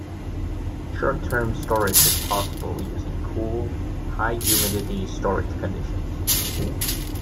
Short-term storage is possible using cool, high-humidity storage conditions.